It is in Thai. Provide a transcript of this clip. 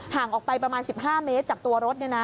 ห่างออกไปประมาณ๑๕เมตรจากตัวรถ